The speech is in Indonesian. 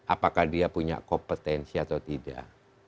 apakah dia punya kompetensi atau tidak